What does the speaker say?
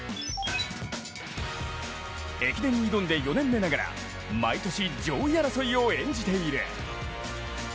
駅伝に挑んで４年目ながら、毎年上位争いを演じている。